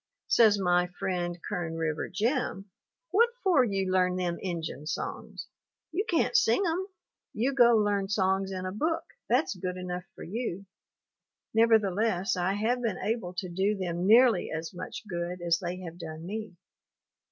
Says my friend Kern River Jim, "What for you learn them Injun songs? You can't sing um, You go learn songs in a book, that's good enough for you." Nevertheless I have been able to do them nearly as much good as they have done me.